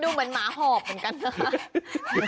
ดูเหมือนหมาหอบเหมือนกันนะคะ